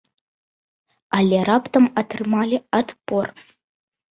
Але раптам атрымалі адпор.